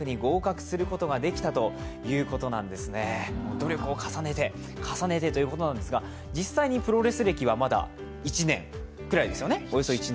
努力を重ねて、重ねてということなんですが、実際にプロレス歴はまだおよそ１年ぐらいですよね。